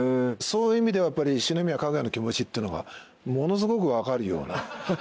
そういう意味ではやっぱり四宮かぐやの気持ちってのがものすごく分かるような。